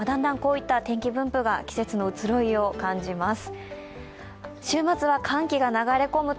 だんだんこういう天気分布が季節の移ろいを感じます。